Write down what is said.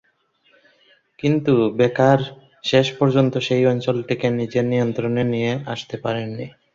কিন্তু বেকার শেষ পর্যন্ত সেই অঞ্চলটিকে নিজের নিয়ন্ত্রণে নিয়ে আসতে পারেন নি।